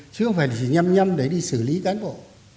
chứ không phải chỉ nhâm nhâm để đi xử lý cán bộ